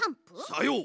さよう。